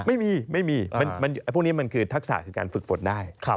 ไม่มีไม่มีพวกนี้มันคือทักษะคือการฝึกฝนได้